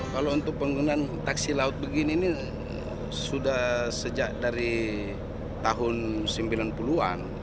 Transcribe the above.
kalau untuk penggunaan taksi laut begini ini sudah sejak dari tahun sembilan puluh an